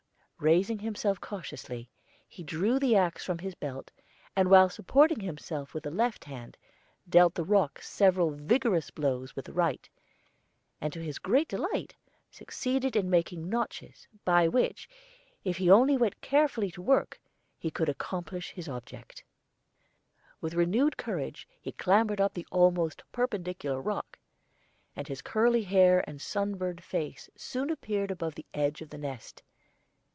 Raising himself cautiously, he drew the axe from his belt, and while supporting himself with the left hand, dealt the rock several vigorous blows with the right, and to his great delight succeeded in making notches, by which, if he only went carefully to work, he could accomplish his object. With renewed courage he clambered up the almost perpendicular rock, and his curly hair and sunburned face soon appeared above the edge of the nest.